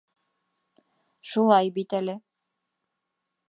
Шулай бит әле...